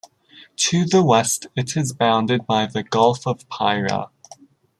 To the west it is bounded by the Gulf of Paria.